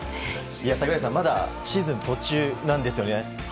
櫻井さんまだシーズン途中なんですよね。